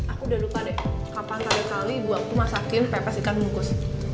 aku udah lupa deh kapan tadi kali gue aku masakin pepes ikan melukus